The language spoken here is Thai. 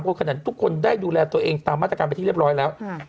เพราะขนาดทุกคนได้ดูแลตัวเองตามมาตรการไปที่เรียบร้อยแล้ว